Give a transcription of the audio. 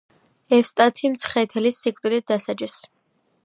ევსტათი მცხეთელი სიკვდილით დასაჯეს.